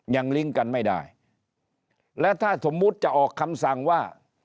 ลิงก์กันไม่ได้และถ้าสมมุติจะออกคำสั่งว่า